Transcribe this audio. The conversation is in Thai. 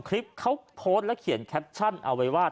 คลิปเขาโพสต์และเขียนแคปชั่นเอาไว้ว่า